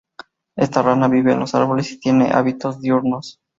Esta rana vive en los árboles y tiene hábitos diurnos.